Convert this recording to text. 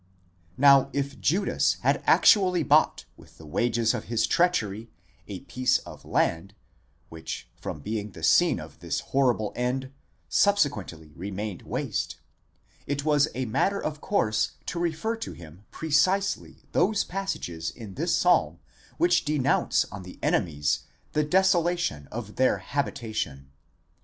1* Now if Judas had actually bought with the wages of his treachery a piece of land, which fom being the scene of his horrible end, subsequently remained waste: it _ 'was a matter of course to refer to him precisely those passages in this psalm which denounce on the enemies the desolation of their habitation ἔπαυλις.